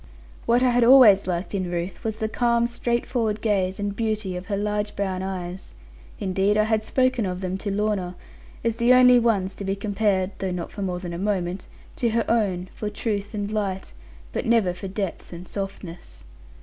What I had always liked in Ruth, was the calm, straightforward gaze, and beauty of her large brown eyes. Indeed I had spoken of them to Lorna, as the only ones to be compared (though not for more than a moment) to her own, for truth and light, but never for depth and softness.